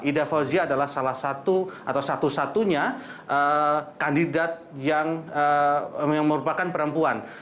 ida fauzia adalah salah satu atau satu satunya kandidat yang merupakan perempuan